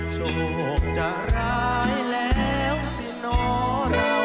โชคจะร้ายแล้วที่หน่อเรา